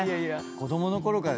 子供のころからでしょ？